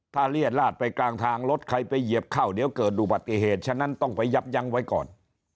ถ้าเรียดลาดไปกลางทางรถใครไปเหยียบเข้าเดี๋ยวเกิดอุบัติเหตุฉะนั้นต้องไปยับยั้งไว้ก่อน